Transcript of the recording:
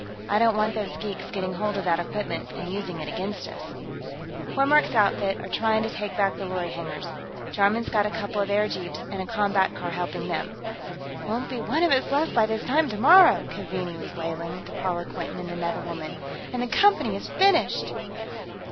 I don't want these geeks getting hold of that equipment and using it against us." "Kormork's outfit are trying to take back the lorry hangars. Jarman's got a couple of airjeeps and a combat car helping them." "... won't be one of us left by this time tomorrow," Keaveney was wailing, to Paula Quinton and another woman. "And the Company is finished!"